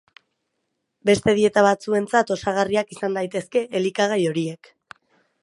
Beste dieta batzuentzat osagarriak izan daitezke elikagai horiek.